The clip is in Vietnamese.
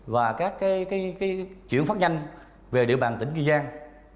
và các chuyển phát nhanh về địa bàn tỉnh kiên giang